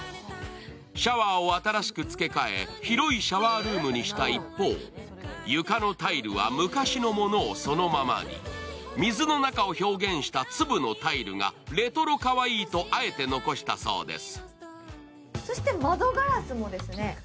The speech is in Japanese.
シャワーを新しく付け替え、広いシャワールームにした一方、床のタイルは昔のものをそのままに、水の中を表現した粒のタイルがレトロかわいいとあえて残したそうです。